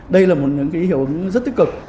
đây là một hiệu ứng rất tích cực